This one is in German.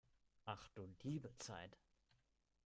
Ach du liebe Zeit!